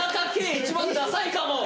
一番ダサいかも。